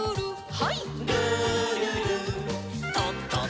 はい。